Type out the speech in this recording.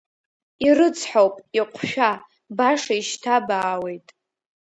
Ирыцҳауп, иҟәшәа, баша ишьҭабаауеит.